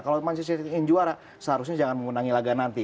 kalau manchester ingin juara seharusnya jangan mengundangi laga nanti